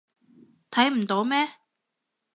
睇唔到咩？